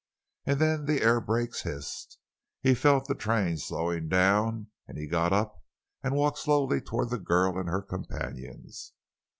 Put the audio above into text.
And then the air brakes hissed; he felt the train slowing down, and he got up and walked slowly toward the girl and her companions.